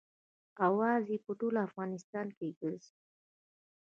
اوازه یې په ټول افغانستان کې ګرزي.